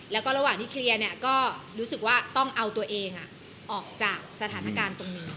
แล้วก็ระหว่างที่เคลียร์เนี่ยก็รู้สึกว่าต้องเอาตัวเองออกจากสถานการณ์ตรงนี้